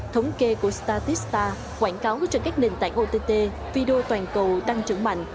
thống kê của statista quảng cáo trên các nền tảng ott video toàn cầu tăng trưởng mạnh